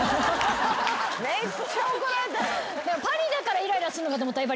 パリだからイライラすんのかと思ったら。